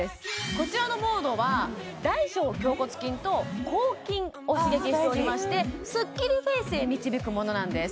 こちらのモードは大小頬骨筋と咬筋を刺激しておりましてスッキリフェイスへ導くものなんです